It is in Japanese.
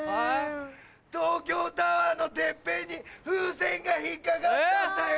東京タワーのてっぺんに風船が引っ掛かっちゃったよ。